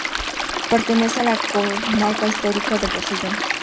Pertenece a la comarca histórica del Rosellón.